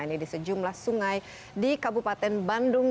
ini di sejumlah sungai di kabupaten bandung